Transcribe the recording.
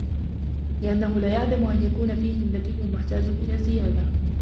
لِأَنَّهُ لَا يَعْدَمُ أَنْ يَكُونَ فِيهِمْ ذَكِيٌّ مُحْتَاجٌ إلَى الزِّيَادَةِ